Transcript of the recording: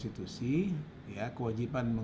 itu sebuah kewajiban yang